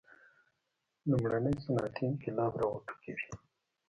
لومړنی صنعتي انقلاب را وټوکېد.